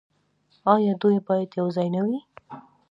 آیا دوی باید یوځای نه وي؟